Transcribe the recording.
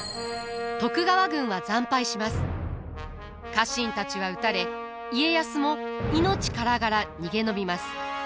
家臣たちは討たれ家康も命からがら逃げ延びます。